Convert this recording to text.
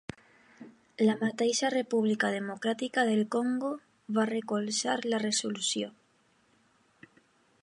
La mateixa República Democràtica del Congo va recolzar la resolució.